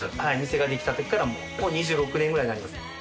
店ができた時からもう２６年ぐらいになります。